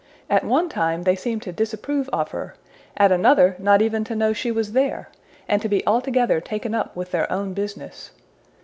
At one time they seemed to disapprove of her; at another not even to know she was there, and to be altogether taken up with their own business.